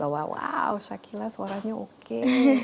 wow shakila suaranya oke